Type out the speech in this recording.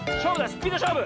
スピードしょうぶ！